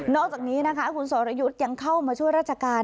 อกจากนี้นะคะคุณสรยุทธ์ยังเข้ามาช่วยราชการ